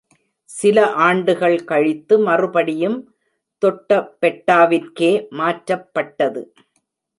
சில ஆண்டுகள் கழித்து மறுபடியும் தொட்டபெட்டாவிற்கே மாற்றப்பட்டது.